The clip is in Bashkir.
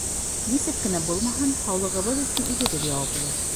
Нисек кенә булмаһын, һаулығыбыҙ өсөн үҙебеҙ яуаплы.